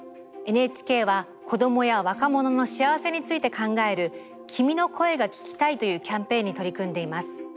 ＮＨＫは子どもや若者の幸せについて考える「君の声が聴きたい」というキャンペーンに取り組んでいます。